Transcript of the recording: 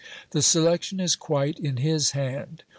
The selection is quite in his hand.